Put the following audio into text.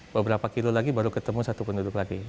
beberapa kilo lagi baru ketemu satu penduduk lagi